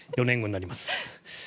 ４年後になります。